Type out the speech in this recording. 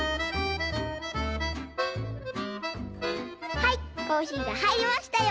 はいコーヒーがはいりましたよ！